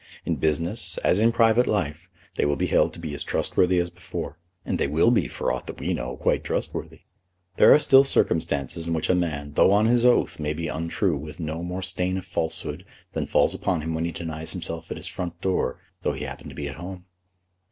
In business, as in private life, they will be held to be as trustworthy as before; and they will be, for aught that we know, quite trustworthy. There are still circumstances in which a man, though on his oath, may be untrue with no more stain of falsehood than falls upon him when he denies himself at his front door though he happen to be at home."